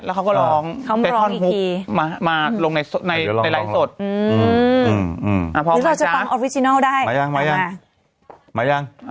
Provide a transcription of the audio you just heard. แต่งเพลงทำเสียงเลยนะ